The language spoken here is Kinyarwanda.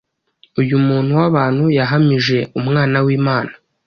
Uyu muntu wabantu, yahamije Umwana wImana,